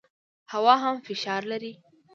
هوا هم فشار لري.